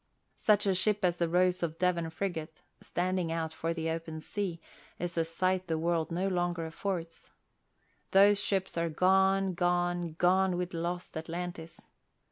Such a ship as the Rose of Devon frigate, standing out for the open sea, is a sight the world no longer affords. Those ships are "gone, gone, gone with lost Atlantis."